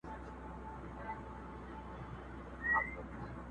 نه چا خبره پکښی کړه نه یې ګیلې کولې،